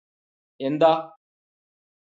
എന്താ?